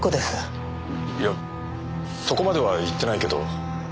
いやそこまでは言ってないけど。